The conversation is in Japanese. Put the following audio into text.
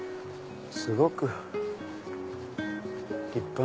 すごく立派な建物。